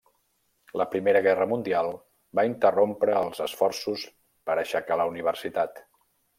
La primera guerra mundial va interrompre els esforços per aixecar la universitat.